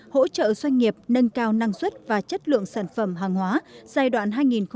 hỗ trợ doanh nghiệp nâng cao năng suất và chất lượng sản phẩm hàng hóa giai đoạn hai nghìn hai mươi một hai nghìn ba mươi